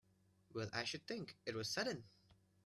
Well I should think it was sudden!